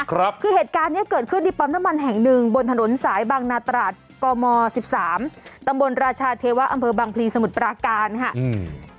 ครับคือเหตุการณ์เนี้ยเกิดขึ้นที่ปั๊มน้ำมันแห่งหนึ่งบนถนนสายบางนาตราดกมสิบสามตำบลราชาเทวะอำเภอบางพลีสมุทรปราการค่ะอืม